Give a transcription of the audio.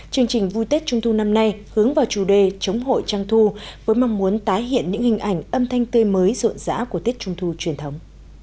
chương trình vui tết trung thu năm nay hướng vào chủ đề chống hội trang thu với mong muốn tái hiện những hình ảnh âm thanh tươi mới rộn rã của tết trung thu truyền thống